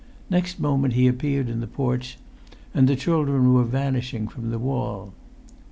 Next moment he appeared in the porch, and the children were vanishing from the wall.